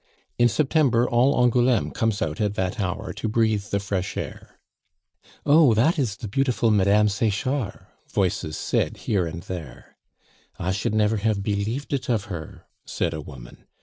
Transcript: In September all Angouleme comes out at that hour to breathe the fresh air. "Oh! that is the beautiful Mme. Sechard," voices said here and there. "I should never have believed it of her," said a woman.